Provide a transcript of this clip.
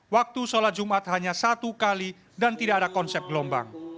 waktu sholat jumat hanya satu kali dan tidak ada konsep gelombang